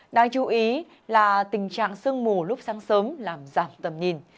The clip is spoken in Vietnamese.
đáng chú ý là tình trạng sương mù lúc sáng sớm làm giảm tầm nhìn